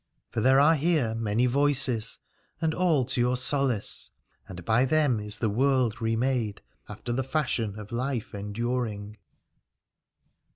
For there are here many voices, and all to your solace : and by them is the world re made after the fashion of life enduring.